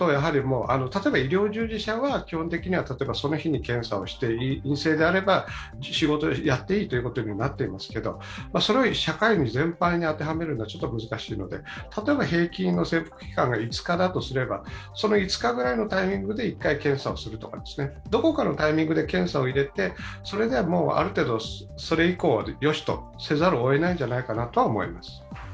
例えば医療従事者は基本的にはその日に検査をして陰性であれば仕事をやっていいということになっていますけれども、それを社会全般に当てはめるのは難しいので、平均の潜伏期間が５日だとすればその５日ぐらいのタイミングで１回検査をするとか、どこかのタイミングで検査を入れて、それである程度、それ以降はよしとせざるをえないんじゃないかと思います。